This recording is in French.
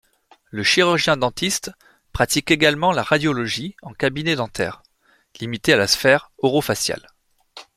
Le chirurgien-dentiste pratique également la radiologie en cabinet dentaire, limitée à la sphère orofaciale.